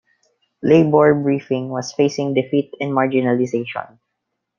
"Labour Briefing" was facing defeat and marginalisation.